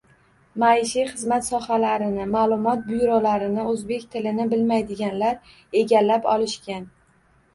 Maishiy xizmat sohalarini, ma’lumot byurolarini o‘zbek tilini bilmaydiganlar egallab olishgan